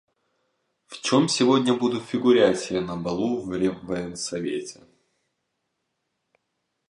В чем сегодня буду фигурять я на балу в Реввоенсовете?